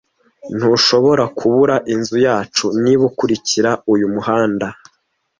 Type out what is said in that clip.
Ntushobora kubura inzu yacu niba ukurikira uyu muhanda.